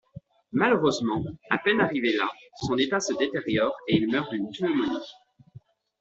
Malheureusement, à peine arrivé là, son état se détériore et il meurt d'une pneumonie.